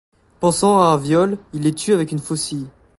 Pensant à un viol, il les tue avec une faucille.